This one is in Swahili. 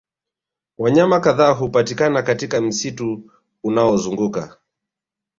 Wanyama kadhaa hupatikana katika msitu unaozunguka